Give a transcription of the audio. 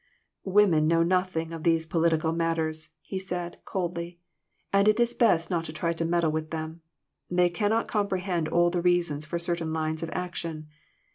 "Women know nothing of these political mat ters," he said, coldly; "and it is best not to try to meddle with them. They cannot compre hend all the reasons for certain lines of action.